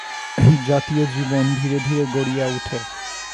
জাতীয় জীবন ধীরে ধীরে গড়িয়া উঠে।